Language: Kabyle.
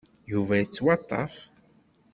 Yuba yettwaṭṭef.